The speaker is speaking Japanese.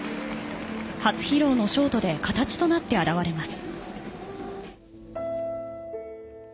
初披露のショートで形となって現れます。